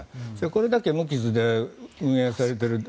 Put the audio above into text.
これだけ無傷で運営されている。